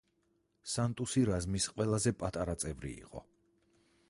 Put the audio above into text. სანტუსი რაზმის ყველაზე პატარა წევრი იყო.